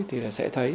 thì là sẽ thấy